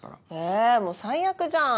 えもう最悪じゃん。